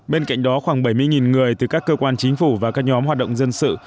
bên cạnh đó khoảng bảy mươi người từ các cơ quan chính phủ và các nhóm hoạt động dân sự